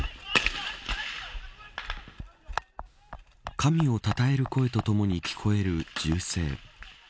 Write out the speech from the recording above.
神をたたえる声とともに聞こえる銃声。